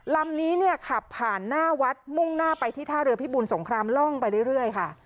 ลำนี้เนี่ยขับผ่านหน้าวัดมุ่งหน้าไปที่ท่าเรือพิบูรสงครามล่องไปเรื่อยค่ะ